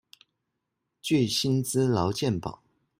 具薪資勞健保